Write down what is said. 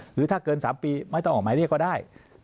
หรือถ้าเกิน๓ปีไม่ต้องออกหมายเรียกก็ได้